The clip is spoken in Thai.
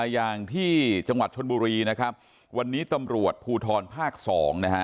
อย่างที่จังหวัดชนบุรีนะครับวันนี้ตำรวจภูทรภาค๒นะฮะ